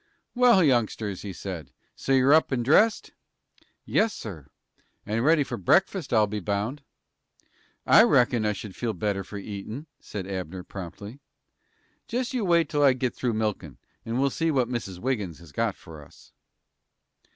"Well, youngsters," he said, "so you're up and dressed?" "Yes, sir." "And ready for breakfast, I'll be bound." "I reckon I should feel better for eatin'," said Abner, promptly. "Jest you wait till I get through milkin', and we'll see what Mrs. Wiggins has got for us."